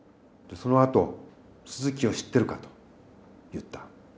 そのあと、鈴木を知っているかといった。